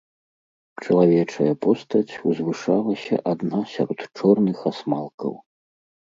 Чалавечая постаць узвышалася адна сярод чорных асмалкаў.